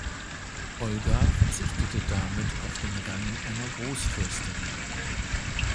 Olga verzichtete damit auf den Rang einer Großfürstin.